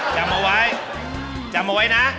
จำเอาไว้จำเอาไว้นะ